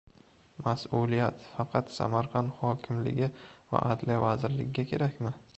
Mas’uliyat… faqat Samarqand hokimligi va Adliya vazirligiga kerakmi?